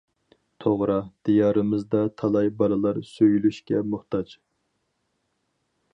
توغرا، دىيارىمىزدا تالاي بالىلار سۆيۈلۈشكە موھتاج.